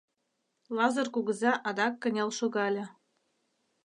Лазыр кугыза адак кынел шогале.